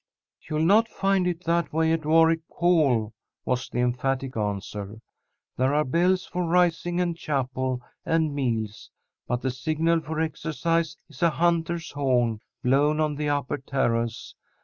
"You'll not find it that way at Warwick Hall," was the emphatic answer. "There are bells for rising and chapel and meals, but the signal for exercise is a hunter's horn, blown on the upper terrace.